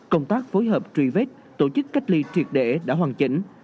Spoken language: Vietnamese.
công tác phối hợp truy vết tổ chức cách ly truyệt đệ đã hoàn chỉnh